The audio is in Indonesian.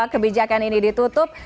kebijakan ini ditutup